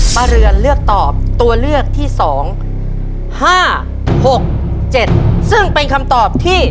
เรือนเลือกตอบตัวเลือกที่๒๕๖๗ซึ่งเป็นคำตอบที่